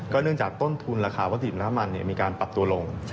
เนื่องจากต้นทุนราคาวัตถุน้ำมันมีการปรับตัวลง